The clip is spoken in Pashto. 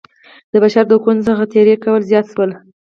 د بشر د حقونو څخه تېری کول زیات شول.